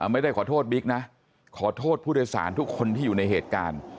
ไม่ได้ขอโทษบิ๊กนะขอโทษผู้โดยสารทุกคนที่อยู่ในเหตุการณ์